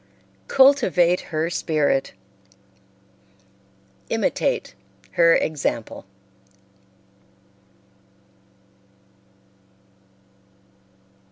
Cultivate her spirit; imitate her example.